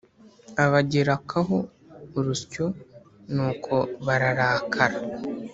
Abagerakaho urusyo nuko bararakara